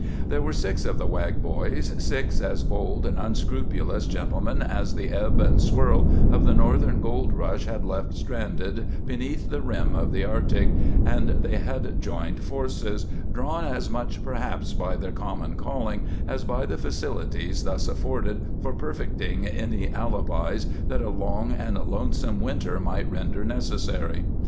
There were six of the Wag boys, six as bold and unscrupulous gentlemen as the ebb and swirl of the Northern gold rush had left stranded beneath the rim of the Arctic, and they had joined forces, drawn as much, perhaps, by their common calling as by the facilities thus afforded for perfecting any alibis that a long and lonesome winter might render necessary.